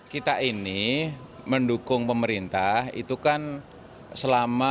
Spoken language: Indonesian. kita ini mendukung pemerintah itu kan selama